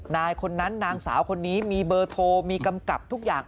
นายคนนั้นนางสาวคนนี้มีเบอร์โทรมีกำกับทุกอย่าง